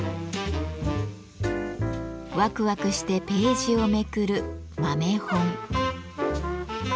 ワクワクしてページをめくる豆本。